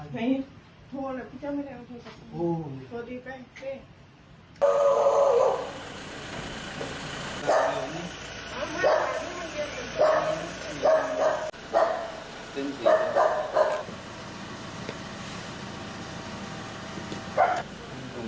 พี่เจ้าไม่ได้เอาโทรแจ้ง